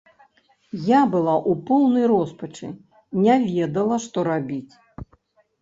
Я была ў поўнай роспачы, не ведала, што рабіць.